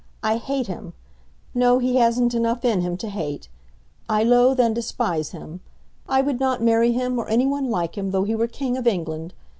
I hate him. No, he hasn't enough in him to hate. I loathe and despise him. I would not marry him or any one like him though he were King of England.